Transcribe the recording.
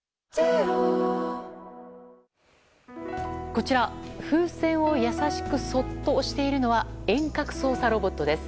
こちら、風船を優しくそっと押しているのは遠隔操作ロボットです。